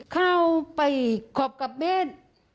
เข้าไปขอบกับเบส